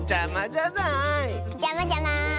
じゃまじゃま。